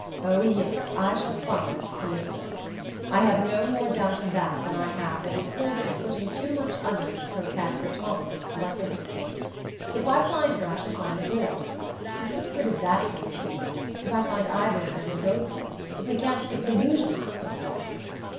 Oh yes, I shall find Aunt Elizabeth! I have no more doubt of that than I have that Matilda is putting too much onion in the croquettes for Tom this blessed minute. If I find her I shall find the boy; but what good is that going to do me, if I find either of them or both of them, if we can't disillusionize the boy?"